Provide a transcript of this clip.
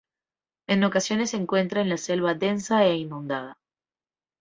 En ocasiones se encuentra en en la selva densa e inundada.